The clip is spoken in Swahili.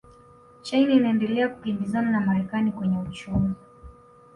china inaendelea kukimbizana na marekani kwenye uchumi